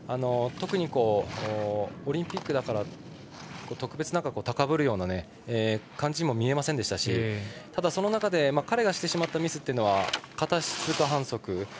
特にオリンピックだからといって特別高ぶるような感じにも見えませんでしたしただ、その中で彼がしてしまったミスというのは片足不通過反則。